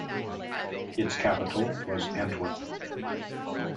Its capital was Antwerp.